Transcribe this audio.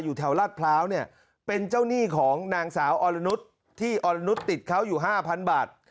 อยู่แถวลาสเพลาเป็นเจ้าหนี้ของนางสาวอรณุษฐ์ที่อรณุษธิ์ติดเขาอยู่๕๐๐๐บาท